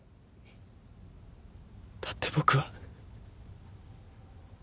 だって僕は。